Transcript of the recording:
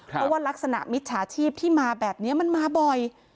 เพราะว่ารักษณะมิจฉาชีพที่มาแบบนี้มันมาบ่อย